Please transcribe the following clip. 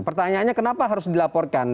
pertanyaannya kenapa harus dilaporkan